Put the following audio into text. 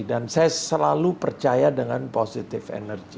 dan saya selalu percaya dengan positif energi